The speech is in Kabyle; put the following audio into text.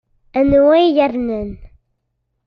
Anwa i yernan?